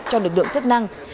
cho lực lượng chức năng